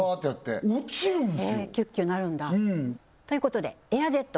へえキュッキュなるんだということでエアジェット